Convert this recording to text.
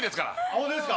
ホントですか？